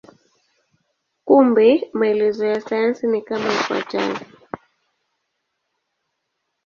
Kumbe maelezo ya sayansi ni kama ifuatavyo.